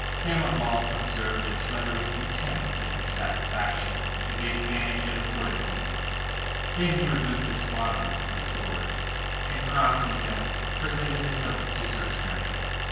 Samoval observed this rather with contempt than with satisfaction in the advantage it afforded him. Then he removed the swathing from the swords, and, crossing them, presented the hilts to Sir Terence.